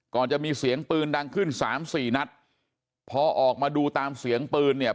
จะมีเสียงปืนดังขึ้นสามสี่นัดพอออกมาดูตามเสียงปืนเนี่ย